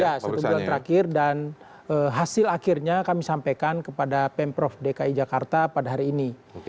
ya satu bulan terakhir dan hasil akhirnya kami sampaikan kepada pemprov dki jakarta pada hari ini